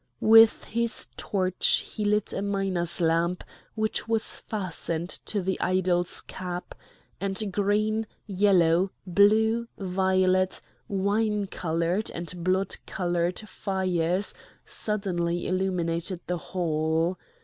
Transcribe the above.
With his torch he lit a miner's lamp which was fastened to the idol's cap, and green, yellow, blue, violet, wine coloured, and blood coloured fires suddenly illuminated the hall.